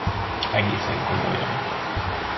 Egészen komolyan.